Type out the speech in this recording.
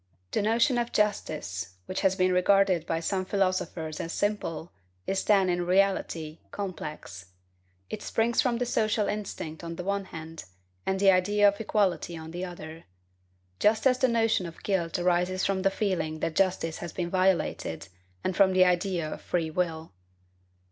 The notion of justice which has been regarded by some philosophers as simple is then, in reality, complex. It springs from the social instinct on the one hand, and the idea of equality on the other; just as the notion of guilt arises from the feeling that justice has been violated, and from the idea of free will.